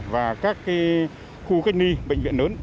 và các khu cách ni bệnh viện lớn